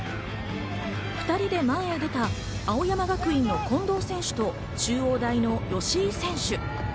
２人で前へ出た青山学院の近藤選手と中央大の吉居選手。